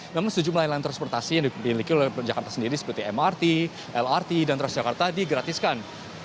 memang sejumlah hal lain transportasi yang dimiliki oleh jakarta sendiri seperti mrt lrt dan transjakarta digratiskan